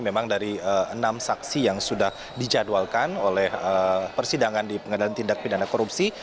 memang dari enam saksi yang sudah dijadwalkan oleh persidangan di pengadilan tindak pidana korupsi